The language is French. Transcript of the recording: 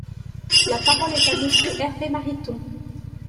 La parole est à Monsieur Hervé Mariton.